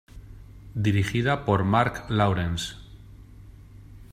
Dirigida por Marc Lawrence.